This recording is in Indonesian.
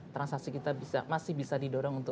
transaksi kita masih bisa didorong untuk